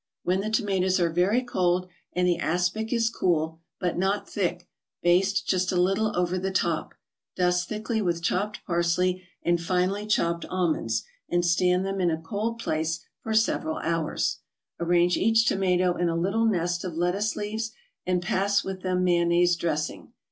When the tomatoes are very cold and the aspic is cool, but not thick, baste just a little over the top, dust thickly with chopped parsley and finely chopped almonds, and stand them in a cold place for several hours. Arrange each tomato in a little nest of lettuce leaves, and pass with them mayonnaise dressing.